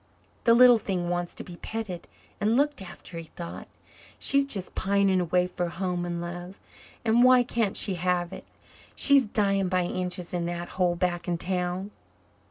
"The little thing wants to be petted and looked after," he thought. "She's just pining away for home and love. And why can't she have it? She's dying by inches in that hole back in town."